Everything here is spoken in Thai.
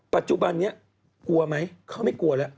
ปัจจุบันนี้กลัวไหมเขาไม่กลัวแล้ว